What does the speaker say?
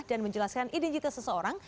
dan menjelaskan identitas seseorang